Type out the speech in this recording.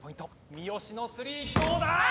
三好のスリーどうだ？